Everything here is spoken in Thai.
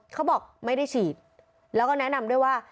เขาบอกไม่ได้ฉีดแล้วก็แนะนำด้วยว่า